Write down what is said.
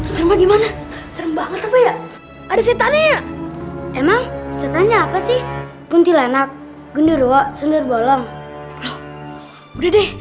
serem banget ada setan ya emang setannya apa sih kuntilanak gundirwa sendirbolong udah deh